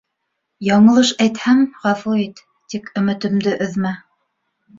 Яңылыш әйтһәм, ғәфү ит, тик өмөтөмдө өҙмә.